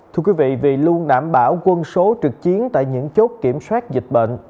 thưa quý vị vì luôn đảm bảo quân số trực chiến tại những chốt kiểm soát dịch bệnh